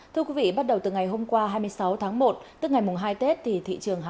thưa quý vị bắt đầu từ ngày hôm qua hai mươi sáu tháng một tức ngày mùng hai tết